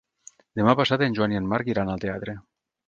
Demà passat en Joan i en Marc iran al teatre.